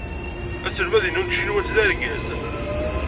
Aselmad-inu n tcinwat d argaz.